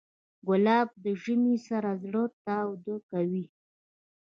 ګلاب د ژمي سړه زړه تاوده کوي.